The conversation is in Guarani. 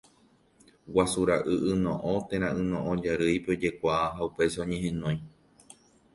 Guasu ra'y yno'õ térã Yno'õ jarýipe ojekuaa ha upéicha oñehenói.